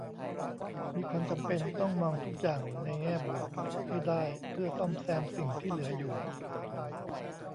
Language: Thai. มีความจำเป็นต้องมองทุกอย่างในแง่บวกให้ได้เพื่อซ่อมแซมสิ่งที่เหลืออยู่